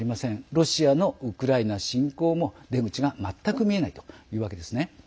ロシアのウクライナ侵攻も出口が全く見えないというわけですね。